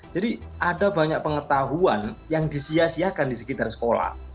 jadi ada banyak pengetahuan yang disiasiakan di sekitar sekolah